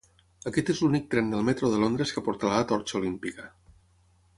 Aquest és el únic tren del Metro de Londres que portarà la Torxa Olímpica.